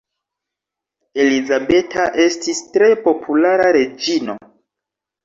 Elizabeta estis tre populara reĝino.